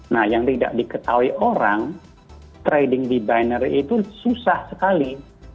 nah yang tidak diketahui orang trading debiner itu susah sekali